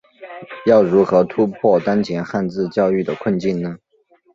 要如何突破当前汉字教育的困境呢？